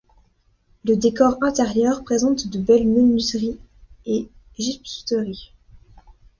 Le décor intérieur présente de belles menuiseries et gypseries.